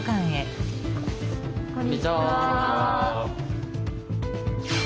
こんにちは。